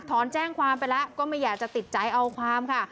ถอนแจ้งความไปแล้วก็ไม่อยากจะติดใจเอาความค่ะ